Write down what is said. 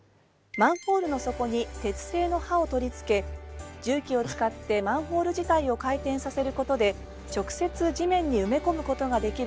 マンホールの底に鉄製の「歯」を取り付け重機を使ってマンホール自体を回転させることで直接地面に埋め込むことができるこの装置。